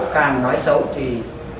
càng nói xấu thì